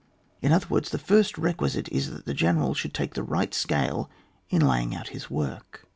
In other words, the first requisite is that the gene ral should take the right scale in laying out his work.